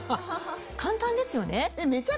簡単ですよね。